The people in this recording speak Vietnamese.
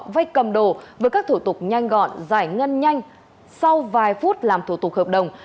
vay cầm đồ với các thủ tục nhanh gọn giải ngân nhanh sau vài phút làm thủ tục hợp đồng